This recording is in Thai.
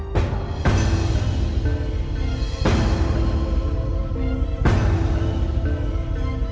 เพื่อจะหน่าสังคม